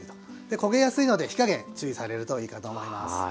焦げやすいので火加減注意されるといいかと思います。